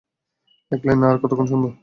এক লাইন আর কতক্ষণ শুনবো।